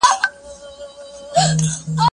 زه به اوږده موده درسونه اورېدلي وم؟!